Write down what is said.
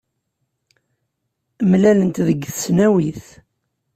Mlalent deg tesnawit.